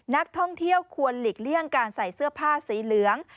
นักท่องเที่ยวควรหลีกเลี่ยงการใส่เสื้อผ้าสีเหลือง